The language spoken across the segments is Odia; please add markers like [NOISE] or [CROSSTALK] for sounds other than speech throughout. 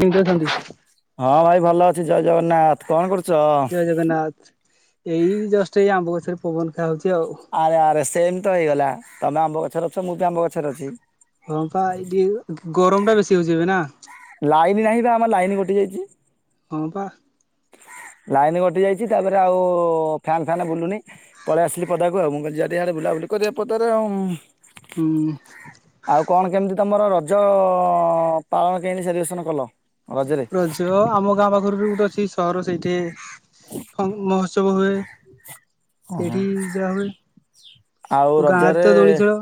କେମିତି ଅଛନ୍ତି? ହଁ ଭାଇ ଭଲ ଜୟ ଜଗନ୍ନାଥ କଣ କରୁ ଜୟ ଜଗନ୍ନାଥ ଏଇ ଜଷ୍ଟ ଏ ଆମ୍ବ ଗଛରେ ପବନ ଖାଆ ହାଉଛି ଆରେ ଆରେ ସେମ୍ ତ ହେଇଗଲା ତମେ ଆମ୍ବ ଗଛର ହଁ ପା ଏଇଟି ଗରମ ଟା ବେଶୀ ହଉଛି ଏବେ ନା ଲାଇନ ନାହିଁ ବା ଆମର ଲାଇନ କଟି ଯାଇଛି ହଁ ପା [INAUDIBLE] ଲାଇନ୍ କଟିଯାଇଛି ତାପରେ ଆଉ ଫ୍ୟାନ୍ ଫ୍ୟାନ୍ ବୁଲୁନି ପଳେଇ ଆସିଲି ପଦାକୁ ଆଉ ମୁଁ କଲି ଯଦି ୟାଡେ ବୁଲାବୁଲି ପତରେ ଆ ହୁଁ। ଆଉ କଣ କେମିତି ତମର ରଜ ପାଳନ କେମିତି ସେଲିବ୍ରେସନ୍ କଲ ରଜରେ? ରଜ ଆମ ଗାଁ ପାଖରେ ବି ଗୋଟେ ଅଛି ସହର ସେଇଠି ହଁ ମହୋତ୍ସବ ହୁଏ ଓ ହୋ। ଏଇଟି ଯା ହୁଏ ଆଉ ଓ ଗାଁରେ ରଜରେ ତ ଦୋଳିଖେଳ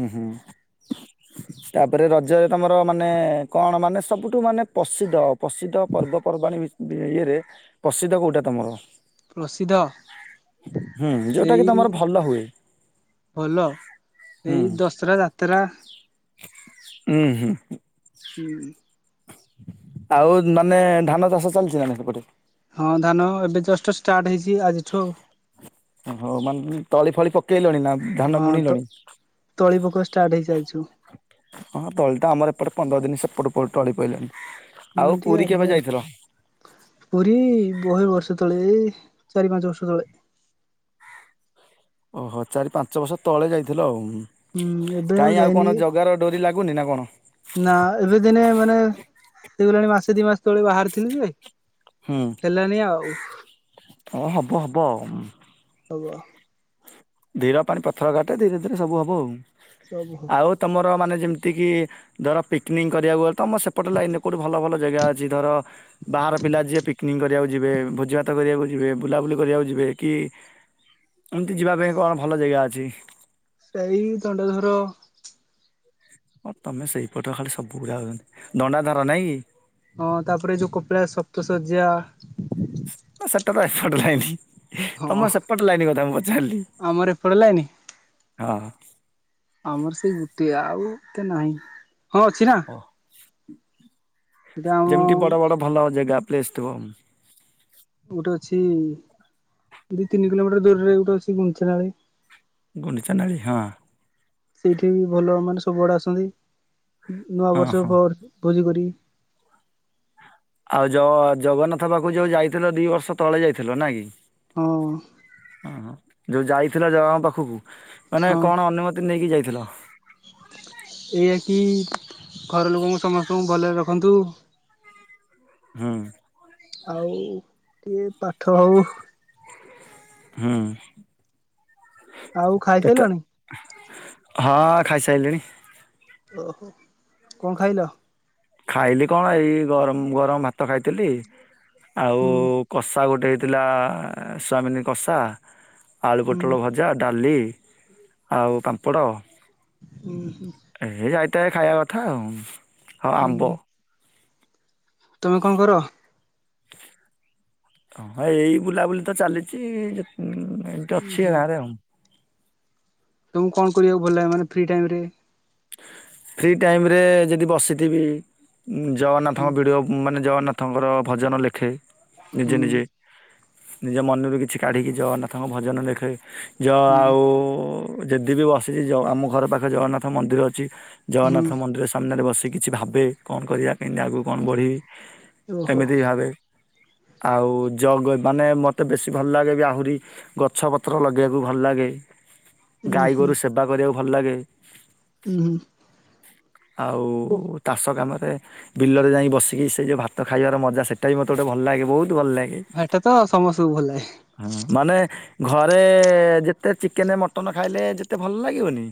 ହୁଁ ହୁଁ ତାପରେ ରଜରେ ତମର ମାନେ କଣ ମାନେ ସବୁଠୁ ମାନେ ପ୍ରସିଦ୍ଧ ପ୍ରସିଦ୍ଧ ପର୍ବପର୍ବାଣୀ ଭି ଇଏରେ ପ୍ରସିଦ୍ଧ କୋଉଟା ତମର ପ୍ରସିଦ୍ଧ ହୁଁ ଯୋଉଟା କି ସେଇ ତମର ଭଲ ହୁଏ। ଭଲ ଏଇ ଦଶହରା ଯାତ୍ରା ହୁଁ ହୁଁ ହୁଁ ଆଉ ମାନେ ଧାନ ଚାଷ ଚାଲିଛି ନା ନାଇଁ ସେପଟେ ହଁ ଧାନ ଏବେ ଜଷ୍ଟ ଷ୍ଟାର୍ଟ ହେଇଛି ଆଜିଠୁ ଆଉ। ହୋ ମାନେ ତଳି ଫଳି ପକେଇଲଣି ନା ଧାନ ହଁ ତ ବୁଣିଲଣି ତଳି ପକା ଷ୍ଟାର୍ଟ ହେଇଛି ଆଜିଠୁ ହଁ ତଳି ଟା ଆମର ଏପଟେ ପନ୍ଦର ଦିନ ସେପଟ ପ ଟଳି ପଇଲାନି ମୁଁ ଟିକେ ଆଗ ଆଉ ପୁରୀ ବହେ ବର୍ଷ ତଳେ ଏ ଚାରି ପାଞ୍ଚ ବର୍ଷ ତଳେ ଓହୋ ଚାରି ପାଞ୍ଚ ବର୍ଷ ତଳେ ଯାଇଥିଲ ଆଉ ହୁଁ ଏବେ କାଇଁ ଆଉ ଯାଇନି। କଣ ଜଗାର ଡୋରି ଲାଗୁ ଗୁନି ନା କଣ। ନା ଏବେ ଦିନେ ମାନେ ହେଇଗଲାଣି ମାସେ ଦି ମାସ ତଳେ ବାହାରିଥିଲି ଯେ ହୁଁ ହେଲାନି ଆଉ। ହଁ ହବ ହବ। ହବ। ଧୀର ପାଣି ପଥର କାଟେ ଧୀରେ ଧୀରେ ସବୁ ହବ ସବୁ ଆଉ ଆଉ ତମର ମାନେ ଯେମିତି କି ଧର ପିକ୍ନିକ୍ କରିବାକୁ ଗଲେ ତମ ସେପଟେ ଲାଇନ୍ ରେ କଉଠି ଭଲ ଭଲ ଜାଗା ଅଛି ଧର ବା ହାର ପିଲା ଯିଏ ପିକ୍ନିକ୍ କରିବାକୁ ଯିବେ ଭୋଜିଭାତ କରିବାକୁ ଯିବେ ବୁଲାବୁଲି କରିବାକୁ ଯିବେ କି ଏମିତି ଯିବା ପାଇଁ କଣ ଭଲ ଜେଗା ଅଛି। ସେଇ ଦଣ୍ଡଧର ହଁ ତମେ ସେଇପଟେ ଖାଲି ସବୁ ଗୁରା ଦଣ୍ଡାଧାର ନାଇଁ କି। ହଁ, ତାପରେ ଯୋଉ କପିଳାସ ସପ୍ତ ଶଯ୍ୟା ହଁ ସେଟାତ ଏପଟେ ଲାଇନ୍। ହଁ ତମର ସେପଟେ ଲାଇନ୍ କଥା ମୁଁ ପଚାରିଲି ଆମର ଏପଟ ଲାଇନି ହଁ। ଆମର ସେଇ ଗୋଟିଏ ଆଉ ଏତେ ନାହିଁ ହଁ ଅଛି ନା। ଓ ଏଟା ଆମ ଯେମିତି ବଡ଼ ବଡ଼ ଭଲ ଜେଗା ପ୍ଲେସ ଥିବ। ଗୋଟେ ଅଛି ଦି ତିନି କିଲୋମିଟର ଦୂରରେ ଗୋଟେ ଅଛି ଗୁଣ୍ଡିଚିନାଳି। ଗୁଣ୍ଡିଚାନାଳୀ ହଁ। ସେଇଠି ବି ଭଲ ମାନେ ସବୁଆଡ଼େ ଆସନ୍ତି ହଁ ନୂଆବର୍ଷ ହଁ ଫୁଆବ ଭୋଜି କରି ଆଉ ଜ ଜଗନ୍ନାଥ ପାଖକୁ ଯଉଁ ଯାଇଥିଲ ଦି ବର୍ଷ ତଳେ ଯାଇଥିଲ ନା କି। ହଁ ହ ହ ଯୋଉ ଯାଇଥିଲ ଜଗାଙ୍କ ପାଖକୁ। ମାନେ ହଁ କଣ ଅନୁମତି ନେଇକି ଯାଇଥିଲ? ଏଇଆ କିି ଘର ଲୋକଙ୍କୁ ସମସ୍ତଙ୍କୁ ଭଲରେ ରଖନ୍ତୁ। ହୁଁ। ଆଉ ଟିକେ ପାଠ ହଉ। ହୁଁ। ଆଉ କେତେ ଖାଇସାରିଲଣି। ହଁ ଖାଇସାରିଲିଣି। ଓହୋ କଣ ଖାଇଲ? ଖାଇଲି କଣ ଏଇ ଗରମ ଗରମ ଭାତ ଖାଇଥିଲି, ଆଉ ହୁଁ କଷା ଗୋଟେ ହେଇ ଥିଲା, ସୟାମିନି କଷା, ଆଳୁ ହୁଁ ପୋଟଳ ଭଜା, ଡାଲି ଆଉ ପାମ୍ପଡ଼। ହୁଁ ହୁଁ। ତ ଖାଇବା କଥା ଆଉ ହଁ ଆମ୍ବ। ହୁଁ ତମେ କଣ କର? ହଁ ଏଇ ବୁଲାବୁଲି ତ ଚାଲିଚି ଏମତି ହୁଁ ଅଛି ହୁଁ ଗାଁ ରେ ଆଉ। ତମକୁ କଣ କରିବାକୁ ଭଲ ଲାଗେ ମାନେ ଫ୍ରି ଟାଇମ୍ ରେ? ଫ୍ରି ଟାଇମ୍ ରେ ଯଦି ବସିଥିବି ହୁଁ ଜଗନ୍ନାଥଙ୍କ ଭିଡ଼ିଓ ମାନେ ଜଗନ୍ନାଥଙ୍କର ଭଜନ ଲେଖେ ହୁଁ ନିଜେ ନିଜେ। ନିଜ ମନରୁ କିଛି କାଢ଼ିକି ଜଗନ୍ନାଥଙ୍କ ଭଜନ ଲେଖେ ଜ ହୁଁ ଆଉ ଯେଦି ବି ବସିଛି ଆମ ଘର ପାଖରେ ଜଗନ୍ନାଥ ମନ୍ଦିର ଅଛି ହୁଁ ଜଗନ୍ନାଥ ମନ୍ଦିର ସାମ୍ନାରେ ବସି ସେ କିଛି ଭାବେ କଣ କରିବା କେମିତି ଆଗକୁ କଣ ବଢ଼ିବି ଓହୋ ଏମିତି ଭାବେ? ଆଉ ଜଗ ମାନେ ମୋତେ ବେଶୀ ଭଲ ଲାଗେ ବି ଆହୁରି ଗଛପତ୍ର ଲଗେଇବାକୁ ଭଲ ଲାଗେ। ଉଁ ଗାଈ ହୁଁ ଗୋରୁ ସେବା କରିବାକୁ ଭଲ ଲାଗେ। ଉଁ ହୁଁ। ଆଉ ଚାଷ କାମ ବିଲରେ ଯାଇ ବସିକି ସେ ଯଉ ଭାତ ଖାଇବାର ମଜା ସେଇଟା ବି ମୋତେ ଗୋଟେ ଭଲ ଲାଗେ ବହୁତ୍ ଭଲ ଲାଗେ ହେଟା ତ ସମସ୍ତଙ୍କୁ ଭଲ ଲାଗେ ହଁ ମାନେ ଘରେ ଯେତେ ଚିକେନ ମଟନ ଖାଇଲେ ଯେତେ ଭଲ ଲାଗିବନି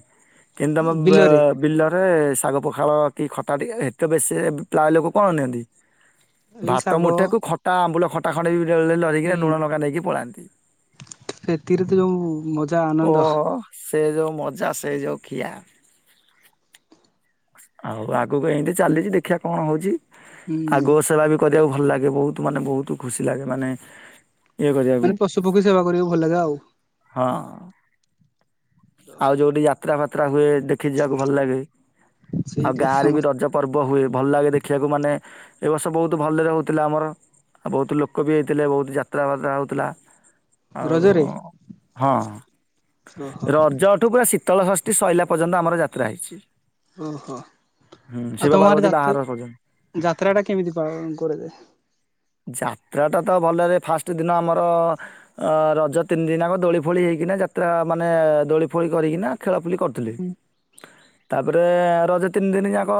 କିନ୍ତୁ ତମ ବିଲରେ ଶାଗ, ପଖାଳ, କି ଖଟା ଏତେ ବେଶୀ ପ୍ରାୟ ଲୋକ କଣ ନିଅନ୍ତି? ଏଇ ଭାତ ଶାଗ ମୁଠାକୁ ଖଟା ଆମ୍ବୁଲ ଖଟା ଖଣ୍ଡେ ବି ହେଲେ ଧରିକିନା ଲୁଣ ଲଙ୍କା ନେଇକି ପଳାନ୍ତି। ଏଥିରେ ତ ଯୋଉ ମଜା ଓ ଆନନ୍ଦ ସେ ଯେଉଁ ମଜା ସେ ଯେଉଁ ଖିଆ। ଆଉ ଆଗକୁ ଏମତି ଚାଲିଛି ଦେଖିବା କଣ ହଉଛି? ଆ ହୁଁ। ଗୋ ସେବା ବି କରିବାକୁ ଭଲ ଲାଗେ ବହୁତ ମାନେ ବହୁତ ଖୁସି ଲାଗେ ମାନେ ଇଏ କରିବାକୁ ମାନେ ପଶୁ ପକ୍ଷୀ ସେବା କରିବାକୁ ଭଲ ଲାଗେ ଆଉ। ହଁ। ଆଉ ଯୋଉଠି ଯାତ୍ରା ଫାତ୍ରା ହୁଏ ଦେଖି ଯିବାକୁ ଭଲ ଲାଗେ ଆଉ ସେଇଟା ଗାଁ ରେ ବି ସମସ୍ତ ରଜ ପର୍ବ ହୁଏ ଭଲ ଲାଗେ ଦେଖିବାକୁ ମାନେ ଏ ବର୍ଷ ବହୁତ ଭଲରେ ହେଉଥିଲା ଆମର ଆଉ ବହୁତ ଲୋକ ବି ହେଇଥିଲେ ବହୁତ ଯାତ୍ରା ଫାତ୍ରା ହେଉଥିଲା। ଆଉ ରଜରେ ହଁ ଓହୋ ରଜଠୁ ପୁରା ଶୀତଳ ଷଷ୍ଠୀ ଶରିଲା ପ ପର୍ଯ୍ୟନ୍ତ ଆମର ଯାତ୍ରା ହେଇଛି। ଓ ହୋ। ହୁଁ ଆଉ ଶିବ ତମଆଡେ ପାର୍ବତୀ ଯାତ ବାହାଘର ପର୍ଯ୍ୟନ୍ତ ଯାତ୍ରା ଟା କେମିତି ପାଳନ କରାଯାଏ? ଯାତ୍ରାଟା ତ ଭଲରେ ଫାଷ୍ଟ ଦିନ ଆମର ଅ ରଜ ତିନି ଦିନ ଆକ ଦୋଳି ଫୋଳି ହେଇକିନା ଯାତ୍ରା ମାନେ ଦୋଳି ଫୋଳି କରିକିନା ଖେଳଖୁଳି କରୁଥିଲେ। ହୁଁ ତାପରେ ରଜ ତିନି ଦିନ ଯାକ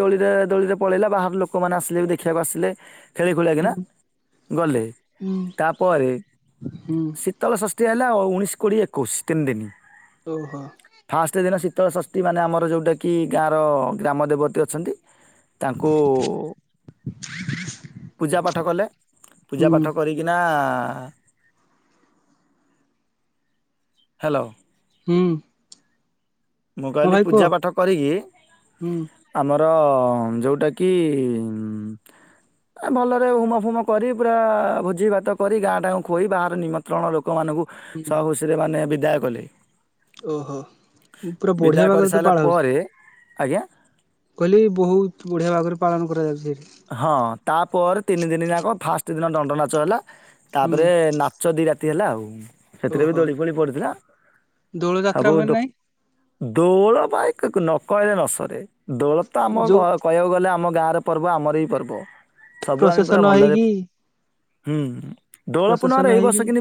ଦୋଳିରେ ଦୋଳିରେ ପଳେଇଲା ବାହାର ଲୋକମାନେ ଆସିଲେ ବି ଦେଖିବାକୁ ଆସିଲେ ଖେଳି ଖୁଳାକୁନା ଗଲେ ହୁଁ ତାପରେ ହୁଁ ଶୀତଳ ଷଷ୍ଠୀ ହେ ହେଲା ଉଣେଇଶ କୋଡ଼ିଏ ଏକୋଇଶ ତିନି ଦିନି। ଓହୋ। ଶିତଳ ଷଷ୍ଟି ମାନେ ଆମର ଯେଉଁଟାକି ଗାଁର ଗ୍ରାମ ଦେବତୀ ଅଛନ୍ତି। ତାଙ୍କୁ ପୂଜା ପାଠ କଲେ ପୂଜା ହୁଁ ପାଠ କରିକିନା ହ୍ୟାଲୋ। ହଁ। ମୁଁ କହିଲି ଭାଇ କୁହ। ପୂଜା ପାଠ କରିକି ହୁଁ ଆମ ର ଯୋଉଟା କି ଭଲରେ ହୁମ ଫୁମ କରି ପୁରା ଭୋଜି ଭାତ କରି ଗାଁ ଟାଁ ଖୁଆଇ ବାହାର ନିମନ୍ତ୍ରଣ ଲୋକ ଲୋକମାନଙ୍କୁ ହୁଁ ସହ ଖୁସିରେ ମାନେ ବିଦାୟ କଲେ। ଓହୋ ପୁରା ବିଦାୟ ବଢିଆ ଭାଗରେ ତ କରିସାରିଲା ପାଳ ହଉଛି। ପରେ ଆଜ୍ଞା। କହିଲି ବହୁତ ବଢିଆ ଭାବରେ ପାଳନ କରାଯାଉଛି ସେଇଠି। ହଁ ତାପରେ ତିନି ଦିନ ଯାକ ଫାଷ୍ଟ ଦିନ ଦଣ୍ଡ ନାଚ ହେଲା ହୁଁ ତାପରେ ନାଚ ଦି ରାତି ହେଲା ଆଉ ସେଥିରେ ବି ଓହୋ ଦୋଳି ଫୋଳି ପଡିଥିଲା। ଦୋଳ ସବୁ ଯାତ୍ରା ହୁଏ ଦୋ- ନାହିଁ। ଦୋଳ ପାଇଁ କ କ ନ କହିଲେ ନ ସରେ ଦୋଳ ତ ଆମ କ ଯୋଉ କହିବାକୁ ଗଲେ ଆମ ଗାଁ ର ପର୍ବ ଆମର ହି ପର୍ବ ସବୁ ଆମେ ପୁରା ପ୍ରସେସନ ଭଲରେ ହେଇକି ହୁଁ ଦୋଳ ପ୍ରସେସନ ପୂ୍ଣ୍ଣିମାରେ ଏଇ ହେଇକି ବର୍ଷ କି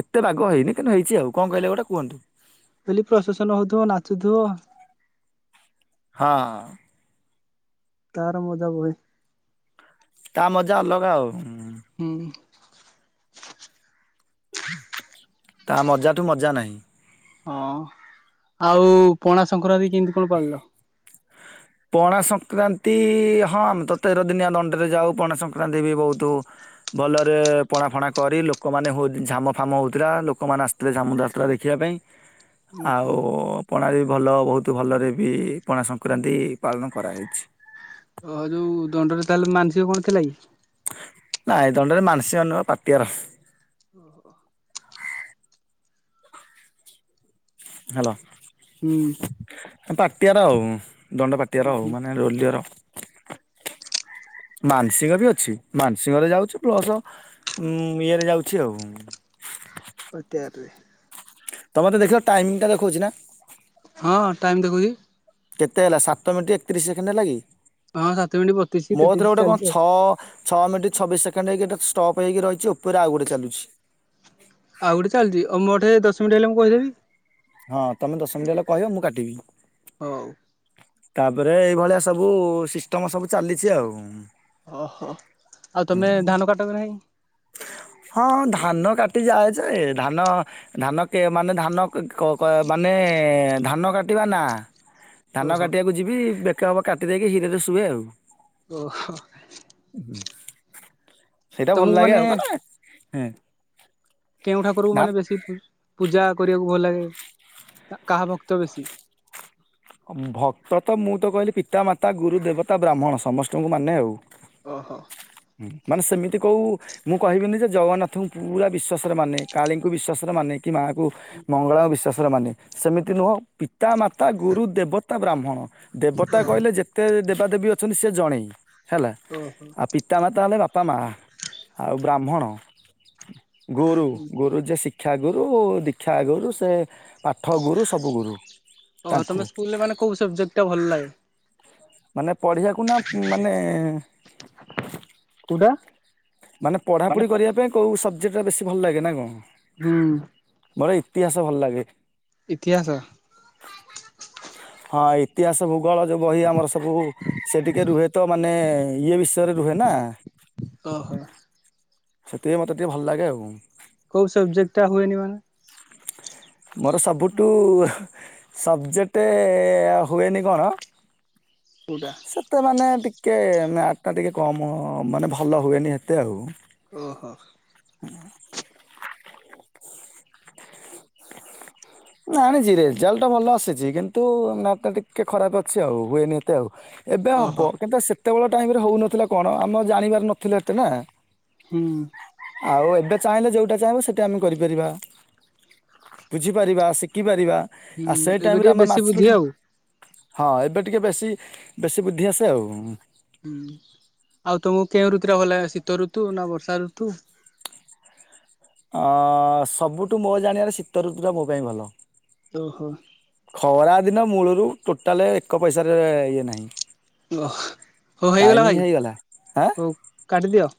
ଏତେ ବାଗ ହେଇନି କିନ୍ତୁ ହେଇଛି ଆଉ। କଣ କହିଲେ ଗୋଟେ କୁହନ୍ତୁ? ବୋଲି ପ୍ରଶାସନ ହଉଥିବ ନାଚୁଥିବ ହଁ। ତାର ମଜା ବହେ। ତା ମଜା ଅଲଗା ଆଉ। ହୁଁ ତା ମଜା ଠୁ ମଜା ନାହିଁ। ହଁ ଆଉ ପଣା ସଂକ୍ରରାନ୍ତି କେମିତି କଣ ପାଳିଲ? ପଣା ସଂକ୍ରାନ୍ତି ହଁ ଆମେ ତ ତେର ଦିନିଆ ଦଣ୍ଡରେ ଯାଉ ପଣା ସଂକ୍ରାନ୍ତି ବି ବହୁତ ଭଲରେ ପଣା ଫଣା କରି ଲୋକମାନେ ହୋଇ ଝାମ ଫାମ ହଉଥିଲା ଲୋକମାନେ ଆସିଥିଲେ ଝାମୁ ଯାତ୍ରା ଆସିଥିଲା ଦେଖିବା ପାଇଁ। ଆଉ ପଣା ବି ବି ଭଲ ବହୁତ ଭଲରେ ବି ପଣା ସଂକ୍ରାନ୍ତି ପାଳନ କରାହେଇଛି। ହ ଯୋଉ ଦଣ୍ଡରେ ତାହେଲେ ମାନସିକ କଣ ଥିଲା କି? ନାଇ ଦଣ୍ଡରେ ମାନସିକ ନୁହଁ ପାଟିଆର। ଓହୋ। ହ୍ୟାଲୋ। ହୁଁ। ପାଟିଆର ଆଉ ଦଣ୍ଡ ପାଟିଆର ଆଉ ମାନେ ରୋଲିଅର। [INAUDIBLE] ମାନସିକ ବି ଅଛି ମାନସିକରେ ଯାଉଛି, ପ୍ଲସ୍ ଉମ୍ ଇଏରେ ଯାଉଛି ଆଉ। ପାଟିଆରରେ। ତମେ ତ ଦେଖିବ ଟାଇମ ଟା ଦେଖଉଛି ନା? ହଁ ହଁ ଟାଇମ୍ ଦେଖଉଛି। କେତେ ହେଲା, ସାତ ମିନିଟ ଏକତିରିଶ ସେକେଣ୍ଡ ହେଲା କି? ହଁ ସାତ ମିନିଟ୍ ବତିଶି ମୋ ଥେରେ ତେତିଶି ଗୋଟେ କଣ ଚାଲିଛି ଆଉ। ଛଅ ଛଅ ମିନିଟ ଛବିଶ ସେକେଣ୍ଡ ହେଇକି ଏଇଟା ଷ୍ଟପ୍ ହେଇକି ରହିଛି ଉପରେ ଆଉ ଗୋଟେ ଚାଲୁଛି। ଆଉ ଗୋଟେ ଚାଲିଚି, ଅ ମୋ ଠେ ଦଶ ମିନିଟ୍ ହେଲେ ମୁଁ କହିଦେବି। ହଁ, ତମେ ଦଶ ମିଣ୍ଟି ହେଲେ କହିବ, ମୁଁ କାଟିବି। ହଉ। ତାପରେ ଏଇଭଳିଆ ସବୁ ସିଷ୍ଟମ ସବୁ ଚାଲିଛି ଆଉ। ଓହୋ। ଆଉ ତମେ ଧାନ କାଟ କି ନାହିଁ? [INAUDIBLE] ହଁ ଧାନ କାଟି ଯାଏ ଯେ, ଧାନ ଧାନ କେ ମାନେ ଧାନ କ-କ ମାନେ ନେ ଏ ଧାନ କାଟିବା ନା? ଧାନ ଓହୋ କାଟିବାକୁ ଯିବି, ବେକେ ହବ କାଟି ଦେଇକି ହୀରରେ ଶୁଏ ଆଉ। ଓହୋ। ସେଇଟା ଭଲ ତମକୁ ଲାଗେ ମାନେ ଆଉ। ମାନେ ହୁଁ। କେଉଁ ଠାକୁରକୁ ନା ମାନେ ବେଶୀ ପୂ-ପୂଜା କରିବାକୁ ଭଲ ଲାଗେ। କାହା ଭକ୍ତ ବେଶୀ? ଭକ୍ତ ତ ମୁଁ ତ କହିଲି ପିତା, ମାତା, ଗୁରୁ, ଦେବତା, ବ୍ରାହ୍ମଣ ସମସ୍ତଙ୍କୁ ମାନେ ଆଉ। ଓହୋ ହୁଁ ମାନେ ସେମି ତି କୋଉ ମୁଁ କହିବିନି ଯେ ଜଗନ୍ନାଥଙ୍କୁ ପୁରା ବିଶ୍ୱାସରେ ମାନେ, କାଳୀଙ୍କୁ ବିଶ୍ୱାସରେ ମାନେ କି ମାଆକୁ ମଙ୍ଗଳା ଓ ବିଶ୍ୱାସରେ ମାନେ, ସେମିତି ନୁହଁ ପିତା, ମାତା, ଗୁରୁ ଦେବତା, ବ୍ରାହ୍ମଣ। ଦେବତା ଓହୋ କହିଲେ ଯେତେ ଦେବାଦେବୀ ଅଛନ୍ତି ସେ ଜଣେଇ ହେଲା। ଓହୋ ଆଉ ପିତା, ମାତା ହେଲେ ବାପା, ମାଆ ଆଉ ବ୍ରାହ୍ମଣ ଗୁରୁ, ଗୁରୁ ଯିଏ ଶିକ୍ଷାଗୁରୁ, ଦୀକ୍ଷାଗୁରୁ ସେ ପାଠଗୁରୁ ସବୁଗୁରୁ। ତାଙ୍କୁ ପିଲାମାନେ କୋଉ ସବଜେକ୍ଟା ଭଲ ଲାଗେ? ମାନେ ପଢିବାକୁ ନା ମାନେ କୋଉଟା? ମାନେ ପଢାପଢି କରିବା ପାଇଁ କଉ ସବଜେକ୍ଟା ବେଶୀ ଭଲଲାଗେ ନା କଣ? ହୁଁ। ମୋର ଇତିହାସ ଭଲ ଲାଗେ। ଇତିହାସ? ହଁ ଇତିହାସ, ଭୂଗୋଳ ଯୋଉ ବହି ଆମର ସବୁ ସେ ଟିକେ ରୁହେ ତ ମାନେ ଇଏ ବିଷୟରେ ରୁହେ ନା। ଓହୋ। ସେଥିପାଇଁ ମତେ ଟିକେ ଭଲ ଲାଗେ ଆଉ। କୋଉ ସବଜେକ୍ଟା ହୁଏନି ମାନେ? ମୋର ସବୁଠୁ ସବଜେକ୍ଟ ହୁଏନି କଣ? କୋଉଟା ସେତ ମାନେ ଟି ଟିକେ ମ୍ୟାଥଟା ଟିକେ କମ ମାନେ ଭଲ ହୁଏନି ଏତେ ଆଉ। ଓହୋ [INAUDIBLE] ଆଣିଛି ରେଜଲ୍ଟ ଭଲ ଆସିଛି କିନ୍ତୁ [UNINTELLIGIBLE] ଟିକେ ଖରାପ ଅଛି ଆଉ ହୁଏନି ଏତେ ଆଉ। ଏବେ ଓହୋ ହବ, କିନ୍ତୁ ସେତେବେଳେ ଟାଇମ ରେ ହଉନଥିଲା କଣ ଆମେ ଜାଣିବାର ନଥିଲେ ଏତେ ନା। ହୁଁ ଆଉ ଏବେ ଚାହିଁଲେ ଯୋଉଟା ଚାହିଁବ ସେଇଟା ଆମେ କରିପାରିବା ବୁଝି ପାରିବା ଶିଖିପାରିବା ଆ ହୁଁ ସେଇ ଏବେ ଟାଇମରେ ଟିକେ ଆମେ ବେଶୀ ବୁଦ୍ଧି ମାସିଲୁଟି ଆଉ ହଁ ଏବେ ଟିକେ ବେଶୀ ବେଶୀ ବୁଦ୍ଧି ଆସେ ଆଉ। ହୁଁ ଆଉ ତମକୁ କେଉଁ ଋତୁଟା ଭଲ ଲାଗେ ଶୀତଋତୁ ନା ବର୍ଷା ଋତୁ? ଅ ସବୁଠୁ ମୋ ଜାଣିବାରେ ଶୀତଋତୁ ଟା ମୋପାଇଁ ଭଲ। ଓ ହୋ। ସେଦିନ ମୂଳରୁ ଟୋଟାଲ ଏକ ପଇସାରେ ଇଏ ନାହିଁ। ଓ ହଉ ହେଇଗଲା ଟାଇମିଂ ଭାଇ ଆଁ ହଉ କାଟିଦିଅ।